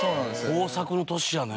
豊作の年やね。